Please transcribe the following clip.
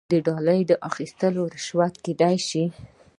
ډالۍ اخیستل رشوت کیدی شي